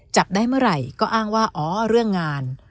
จับได้เมื่อไหร่ก็อ้างว่าอ๋อเรื่องงาน